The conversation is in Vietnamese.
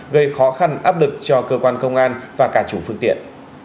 gây khó khăn áp lực cho cơ quan công an và cả chủ phương tiện